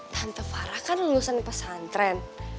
tante farah kan lulusan pesantren